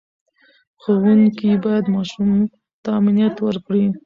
ښوونکي باید ماشوم ته امنیت ورکړي.